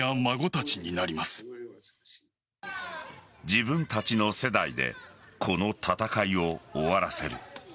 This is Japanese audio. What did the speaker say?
自分たちの世代でこの戦いを終わらせる。